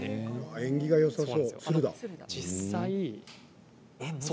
縁起がよさそう。